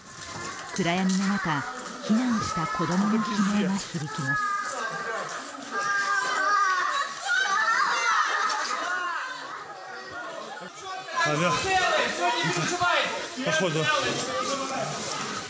暗闇の中、避難した子供の悲鳴が聞こえます。